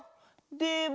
でも。